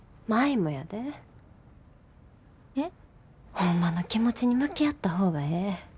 ホンマの気持ちに向き合った方がええ。